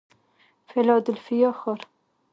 فیلادلفیا ښار